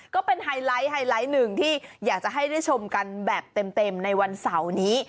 ก็เป็นไฮไลท์ไฮไลท์หนึ่งที่อยากจะให้ได้ชมกันแบบเต็มในวันเสาร์นี้